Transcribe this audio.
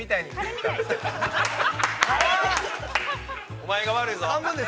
◆お前が悪いぞ。